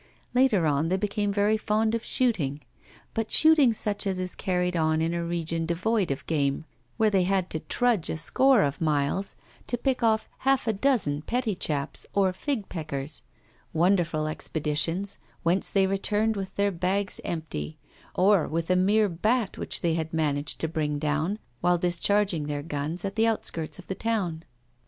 Later on they became very fond of shooting, but shooting such as is carried on in a region devoid of game, where they had to trudge a score of miles to pick off half a dozen pettychaps, or fig peckers; wonderful expeditions, whence they returned with their bags empty, or with a mere bat, which they had managed to bring down while discharging their guns at the outskirts of the town.